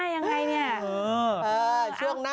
ยังไงเนี่ย